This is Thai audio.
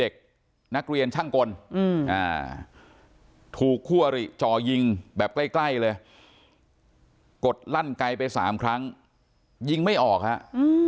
พอยิงแบบใกล้เลยกดลั่นไกลไปสามครั้งยิงไม่ออกครับ